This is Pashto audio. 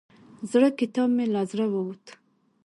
زړه کتاب مې له زړه ووت.